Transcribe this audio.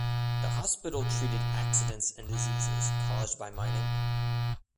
The hospital treated accidents and diseases caused by mining.